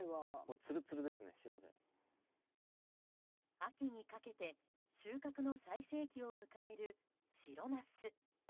秋にかけて収穫の最盛期を迎える白ナス。